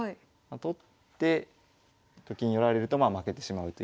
取ってと金寄られるとまあ負けてしまうという。